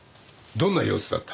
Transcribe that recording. どんな様子だった？